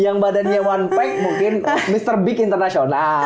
yang badannya one big mungkin mr big internasional